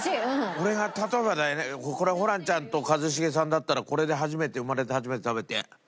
俺が例えばだけどこれはホランちゃんと一茂さんだったらこれで初めて生まれて初めて食べて。